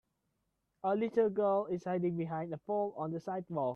A little girl is hiding behind a pole on the sidewalk.